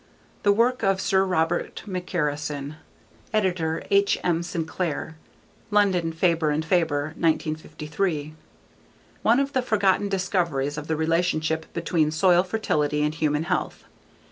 _The Work of Sir Robert McCarrison. _ed. H. M. Sinclair. London Faber and Faber, 1953. One of the forgotten discoverers of the relationship between soil fertility and human health.